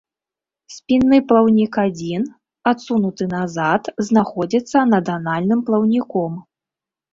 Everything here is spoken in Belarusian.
Спінны плаўнік адзін, адсунуты назад, знаходзіцца над анальным плаўніком.